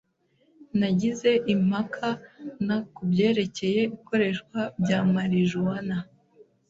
Nagize impaka na kubyerekeye ikoreshwa rya marijuwana.